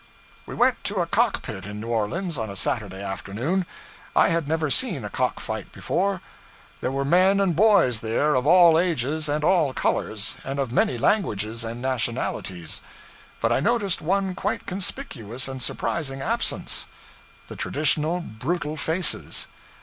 We went to a cockpit in New Orleans on a Saturday afternoon. I had never seen a cock fight before. There were men and boys there of all ages and all colors, and of many languages and nationalities. But I noticed one quite conspicuous and surprising absence: the traditional brutal faces.